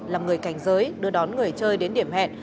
làm người cảnh giới đưa đón người chơi đến điểm hẹn